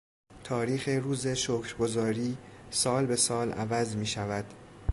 تاریخ روز شکرگزاری سال به سال عوض میشود.